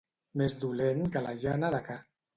Més dolent que la llana de ca.